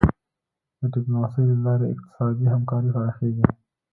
د ډیپلوماسی له لارې اقتصادي همکاري پراخیږي.